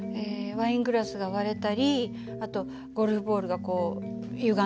ワイングラスが割れたりあとゴルフボールがこうゆがんだりとか。